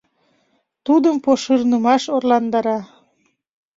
Тудым пошырнымаш орландара.